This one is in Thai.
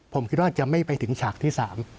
ผมคิดว่าจะไม่ไปถึงฉากที่สาม